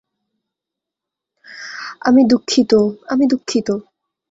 আমি দুঃখিত, আমি দুঃখিত।